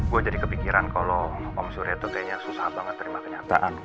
gue jadi kepikiran kalau om surya tuh kayaknya susah banget terima kenyataan